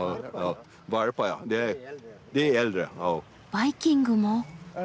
バイキングも？